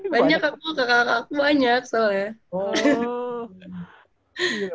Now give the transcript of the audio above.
banyak aku kakak kakak aku banyak soalnya